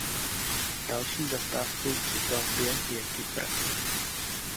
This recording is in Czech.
Další zastávkou při plavbě je Kypr.